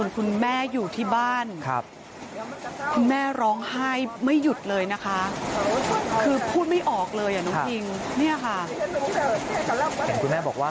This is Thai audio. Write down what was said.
คุณแม่อยู่ที่บ้านคุณแม่ร้องไห้ไม่หยุดเลยนะคะคือพูดไม่ออกเลยอ่ะน้องคิงเนี่ยค่ะคุณแม่บอกว่า